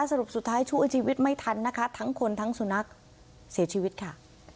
สรุปสุดท้ายช่วยชีวิตไม่ทันนะคะทั้งคนทั้งสุนัขเสียชีวิตค่ะ